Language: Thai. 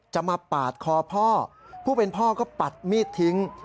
จะมาปาดคอพ่อผู้เป็นพ่อก็ปัดมีดทิ้ง